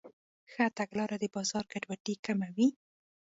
ښه تګلاره د بازار ګډوډي کموي.